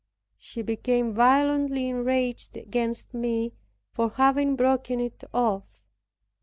She became violently enraged against me for having broken it off.